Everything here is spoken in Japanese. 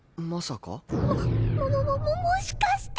ももももももしかして。